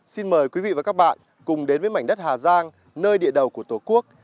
xin mời quý vị và các bạn cùng đến với mảnh đất hà giang nơi địa đầu của tổ quốc